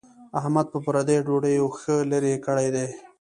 احمد په پردیو ډوډیو ښه لری کړی دی.